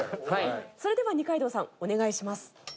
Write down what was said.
それでは二階堂さんお願いします。